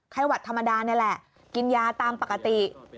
หวัดธรรมดานี่แหละกินยาตามปกติ